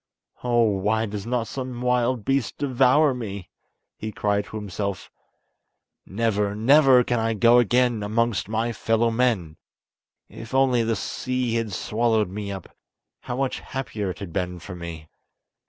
"Oh, why does not some wild beast devour me?" he cried to himself; "never, never, can I go again amongst my fellow men! If only the sea had swallowed me up, how much happier it had been for me!"